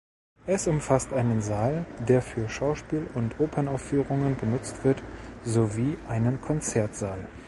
Es umfasst einen Saal, der für Schauspiel- und Opernaufführungen genutzt wird, sowie einen Konzertsaal.